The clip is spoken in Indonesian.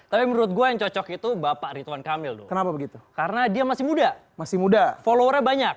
tapi menurut gua yang cocok itu bapak ritwan kamil kenapa begitu karena dia masih muda masih muda